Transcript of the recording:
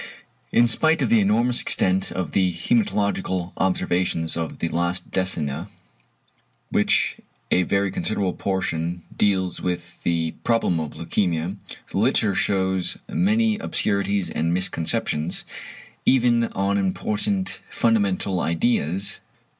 In spite of the enormous extent of the hæmatological observations of the last decennia, of which a very considerable portion deals with the problem of leukæmia, the literature shews many obscurities and misconceptions, even on important fundamental ideas.